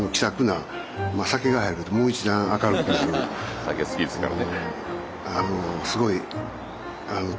酒好きですからね。